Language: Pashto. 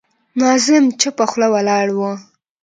ناظم چوپه خوله ولاړ و.